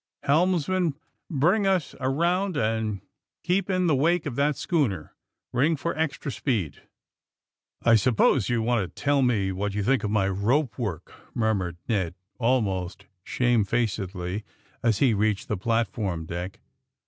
Helmsman, bring ns around and keep in the wake of that schooner. Eing for extra speed." *'I suppose you want to tell me what you think of my rope work," murmured Ned, al most shame facedly, as he reached the platform deck.